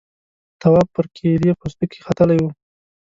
تواب پر کيلې پوستکي ختلی و.